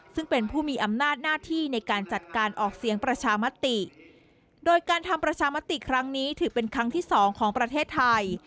ซึ่งเป็นผู้มีอำนาจหน้าที่ในการจัดการออกเสียงประชามติโดยการทำประชามติครั้งนี้ถือเป็นครั้งที่สองของประเทศไทย